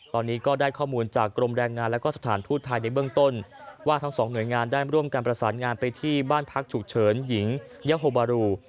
ตอนนี้ก็ได้ข้อมูลจากกรมแรงงานและก็สถานทูตไทยในเบื้องต้นว่าทั้งสองหน่วยงานได้ร่วมการประสานงานไปที่บ้านพักฉุกเฉินหญิงยาโฮบารู